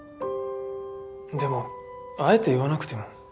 でもあえて言わなくても。